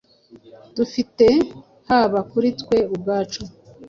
dufite haba kuri twe ubwacu,